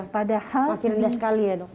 padahal rendah sekali ya dok